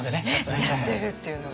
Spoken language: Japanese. やってるっていうのが。